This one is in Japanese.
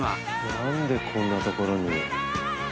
何でこんなところに？